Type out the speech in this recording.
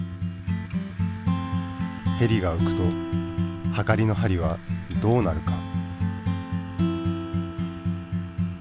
ヘリがうくとはかりの針はどうなるか？